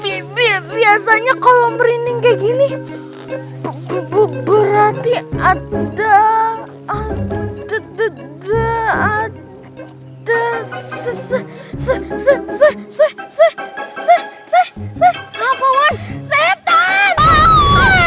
bibir biasanya kalau merinding kayak gini berarti ada ada ada ada sesuai suai suai suai suai suai suai